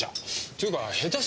っていうか下手